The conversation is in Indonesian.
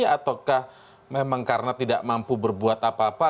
ataukah memang karena tidak mampu berbuat apa apa